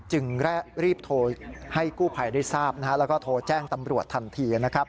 จึงแร่รีบโทรให้กู้ภัยได้ทราบแล้วก็โทรแจ้งตำรวจทันที